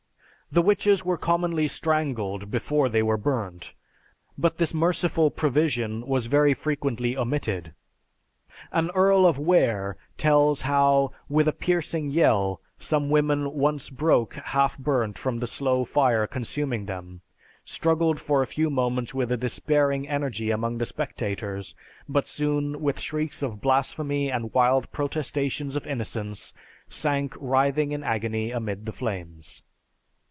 The witches were commonly strangled before they were burnt, but this merciful provision was very frequently omitted. An Earl of Wear tells how, with a piercing yell, some women once broke half burnt from the slow fire consuming them, struggled for a few moments with a despairing energy among the spectators, but soon with shrieks of blasphemy and wild protestations of innocence sank writhing in agony amid the flames.